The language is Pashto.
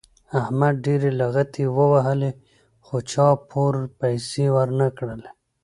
احمد ډېرې لغتې ووهلې خو چا پور پیسې ور نه کړلې.